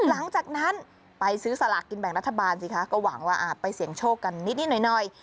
หลังจากนั้นไปซื้อสลากกินแบ่งรัฐบาลสิคะก็หวังว่าไปเสี่ยงโชคกันนิดหน่อย